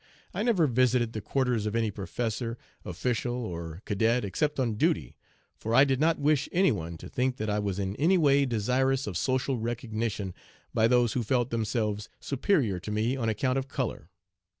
I never visited the quarters of any professor, official, or cadet except on duty, for I did not wish any one to think that I was in any way desirous of social recognition by those who felt themselves superior to me on account of color.